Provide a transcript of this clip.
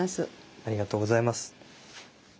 ありがとうございます。